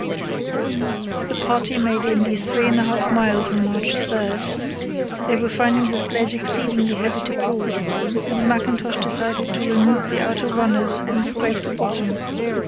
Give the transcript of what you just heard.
The party made only three and a half miles on March 3. They were finding the sledge exceedingly heavy to pull, and Mackintosh decided to remove the outer runners and scrape the bottom.